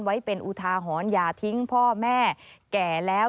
ไว้เป็นอุทาหรณ์อย่าทิ้งพ่อแม่แก่แล้ว